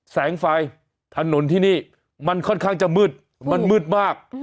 แสงไฟถนนที่นี่มันค่อนข้างจะมืดมันมืดมาก